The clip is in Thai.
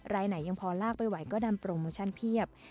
รายไหนยังพอลากไปไหวก็นำโปรโมชั่นเพียบ